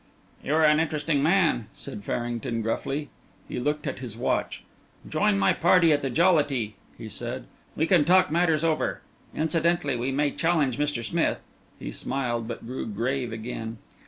"You are an interesting man," said Farrington, gruffly. He looked at his watch. "Join my party at the Jollity," he said; "we can talk matters over. Incidentally, we may challenge Mr. Smith." He smiled, but grew grave again.